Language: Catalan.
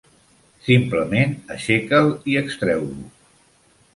Simplement aixeca'l i extreu-lo.